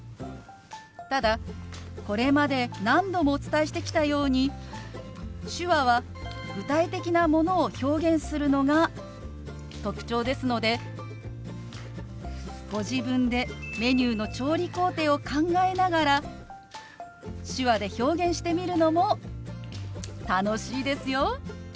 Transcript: ただこれまで何度もお伝えしてきたように手話は具体的なものを表現するのが特徴ですのでご自分でメニューの調理工程を考えながら手話で表現してみるのも楽しいですよ！